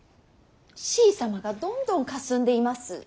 しい様がどんどんかすんでいます。